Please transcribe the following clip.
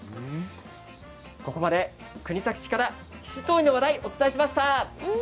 ここまで国東市から七島藺の話題をお伝えしました。